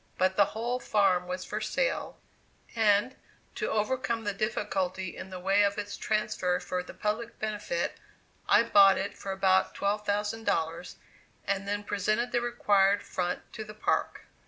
But the whole farm was for sale, and, to overcome the difficulty in the way of its transfer for the public benefit, I bought it for about $12,000, and then presented the required front to the park.